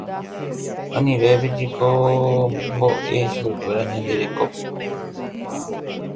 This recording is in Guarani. Anive jahekomboʼe chupekuéra ñande rekópe.